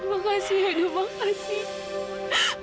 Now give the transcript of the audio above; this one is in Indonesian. makasih hedo makasih